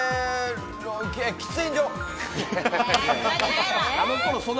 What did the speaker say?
喫煙所。